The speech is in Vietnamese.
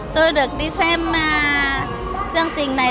tôi được đi xem chương trình này